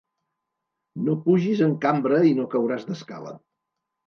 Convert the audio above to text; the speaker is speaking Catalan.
No pugis en cambra i no cauràs d'escala.